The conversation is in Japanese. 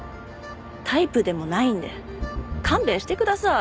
タイプでもないんで勘弁してください。